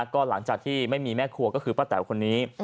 ก็หลังจากที่ไม่มีแม่ครัวก็คือป้าแต๋วคนนี้